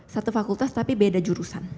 satu fakultas tapi beda jurusan